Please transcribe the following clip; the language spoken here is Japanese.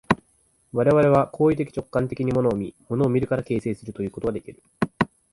我々は行為的直観的に物を見、物を見るから形成するということができる。